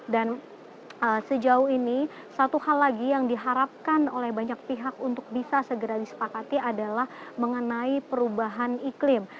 dan sejauh ini satu hal lagi yang diharapkan oleh banyak pihak untuk bisa segera disepakati adalah mengenai perubahan iklim